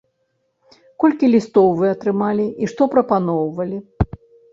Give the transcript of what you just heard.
Колькі лістоў вы атрымалі, і што прапаноўвалі?